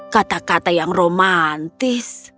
kata kata yang romantis